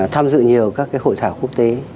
tham dự nhiều các hội thảo quốc tế